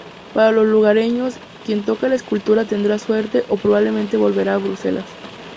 Para los lugareños, quien toca la escultura tendrá suerte o probablemente volverá a Bruselas.